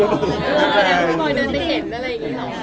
พี่บอยเดินไปเห็นอะไรอย่างเงี้ย